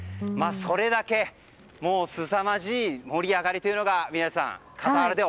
それだけすさまじい盛り上がりというのが宮司さん